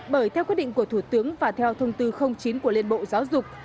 bởi theo quyết định của thủ tướng và theo thông tư chín của liên bộ giáo dục